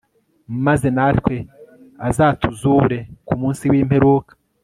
maze natwe azatuzure ku munsi w'imperuka